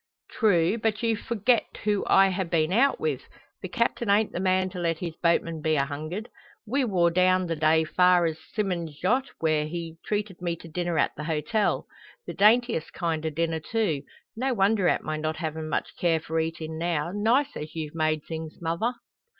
"True; but you forget who I ha' been out with. The captain ain't the man to let his boatman be a hungered. We war down the day far as Symond's yat, where he treated me to dinner at the hotel. The daintiest kind o' dinner, too. No wonder at my not havin' much care for eatin' now nice as you've made things, mother."